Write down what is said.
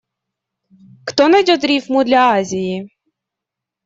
Кто найдёт рифму для «Азии»?